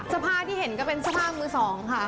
สภาทที่เห็นก็เป็นสภาพมือสองค่ะ